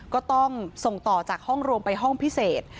ก็ต้องส่งต่อจากห้องรวมไปห้องพิเศษ